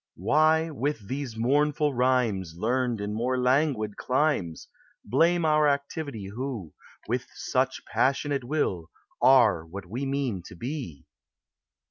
Why, with these mournful rhymes Learned in more languid climes, Blame our activity Who, with such passionate will, Are what we mean to be